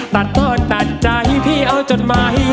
ตัดตอดตัดใจพี่เอาจดหมาย